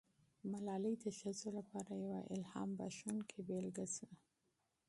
ملالۍ د ښځو لپاره یوه الهام بښونکې بیلګه سوه.